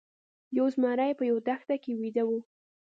یو زمری په یوه دښته کې ویده و.